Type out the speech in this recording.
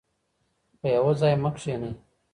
په یوه ځای مه کښینئ.